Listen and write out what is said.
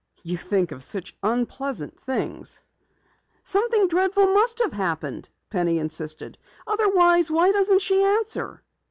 "You think of such unpleasant things." "Something dreadful must have happened," Penny insisted. "Otherwise, why doesn't she answer?"